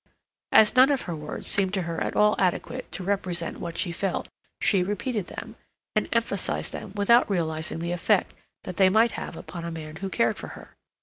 As none of her words seemed to her at all adequate to represent what she felt, she repeated them, and emphasized them without realizing the effect that they might have upon a man who cared for her.